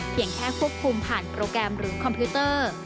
แค่ควบคุมผ่านโปรแกรมหรือคอมพิวเตอร์